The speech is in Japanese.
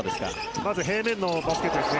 まず平面のバスケットですね。